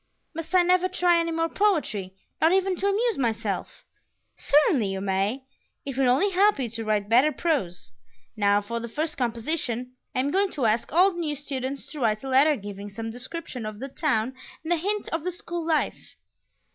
"Must I never try any more poetry, not even to amuse myself?" "Certainly you may; it will only help you to write better prose. Now for the first composition. I am going to ask all the new students to write a letter giving some description of the town and a hint of the school life."